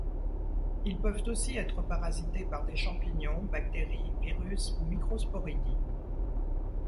Ils peuvent aussi être parasités par des champignons, bactéries, virus ou microsporidies.